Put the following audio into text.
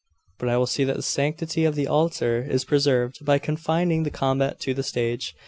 But I will see that the sanctity of the altar is preserved, by confining the combat to the stage.